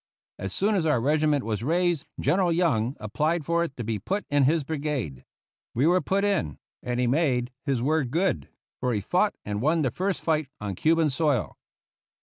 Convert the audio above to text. As soon as our regiment was raised General Young applied for it to be put in his brigade. We were put in; and he made his word good; for he fought and won the first fight on Cuban soil.